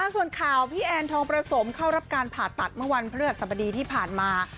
ส่วนข่าวพี่แอนทองประสมเข้ารับการผ่าตัดเมื่อวันพฤหัสสบดีที่ผ่านมา